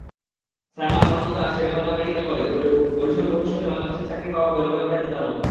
সায়মা মাহমুদাশেরেবাংলা medical college, বরিশালভবিষ্যতে বাংলাদেশে চাকরি পাওয়া হবে নোবেল প্রাইজ জেতার মতো।